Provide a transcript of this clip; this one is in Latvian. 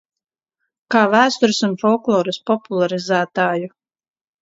Kā vēstures un folkloras popularizētāju.